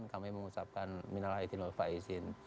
kami mengucapkan minalahidin moh faizin